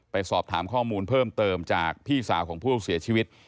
สอบถามข้อมูลเพิ่มเติมจากพี่สาวของผู้เสียชีวิต